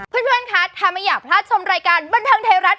เพื่อนคะถ้าไม่อยากพลาดชมรายการบันเทิงไทยรัฐ